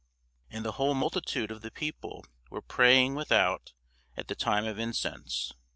And the whole multitude of the people were praying without at the time of incense.